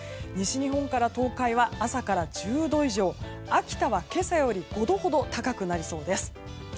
西日本から東海は朝から１０度以上秋田は今朝より５度ほど高くなりそうです。